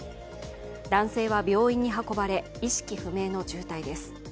男性は病院に運ばれ、意識不明の重体です。